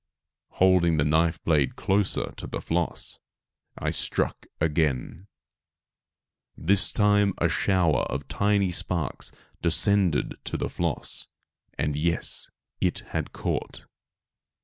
Holding the knife blade closer to the floss, I struck again. This time a shower of tiny sparks descended to the floss, and, yes, it had caught!